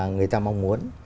người ta mong muốn